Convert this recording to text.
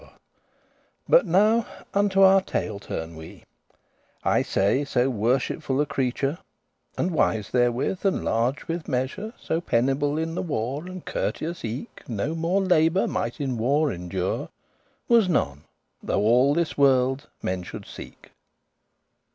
* *learning But now unto our tale turne we; I say, so worshipful a creature, And wise therewith, and large* with measure, *bountiful moderation So penible* in the war, and courteous eke, *laborious Nor more labour might in war endure, Was none, though all this worlde men should seek.